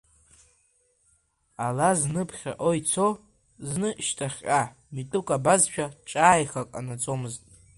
Ала зны ԥхьаҟа ицо, зны шьҭахьҟа, митәык абазшәа, ҿааихак ҟанаҵомызт.